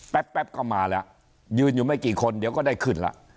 แป๊บก็มาแล้วยืนอยู่ไม่กี่คนเดี๋ยวก็ได้ขึ้นแล้ว